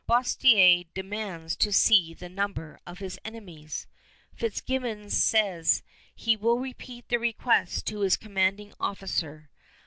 Boerstler demands to see the number of his enemies. Fitzgibbons says he will repeat the request to his commanding officer.